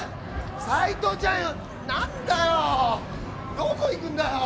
斉藤ちゃんよ何だよどこ行くんだよ